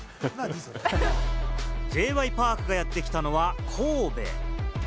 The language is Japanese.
Ｊ．Ｙ．Ｐａｒｋがやってきたのは神戸。